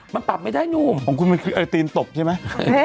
มันปรับไม่ได้หนุ่มของคุณมันคือไอตีนตบใช่ไหม